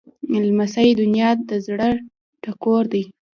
لمسی د نیا د زړه ټکور دی.